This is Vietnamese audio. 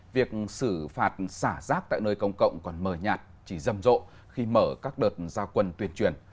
việc xử phạt xả rác tại nơi công cộng còn mờ nhạt chỉ rầm rộ khi mở các đợt gia quân tuyên truyền